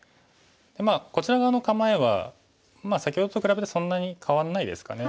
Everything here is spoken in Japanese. まあこちら側の構えは先ほどと比べてそんなに変わらないですかね。